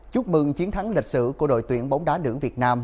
chúc mừng chiến thắng lịch sử của đội tuyển bóng đá nữ việt nam